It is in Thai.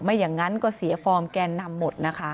อย่างนั้นก็เสียฟอร์มแกนนำหมดนะคะ